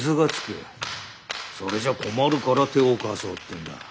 それじゃ困るから手を貸そうってんだ。